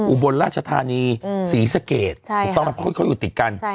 อุบลราชธานีศรีสะเกตต้องค่อยอยู่ติดกัน